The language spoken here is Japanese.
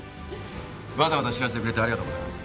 わざわざ知らせてくれてありがとうございます。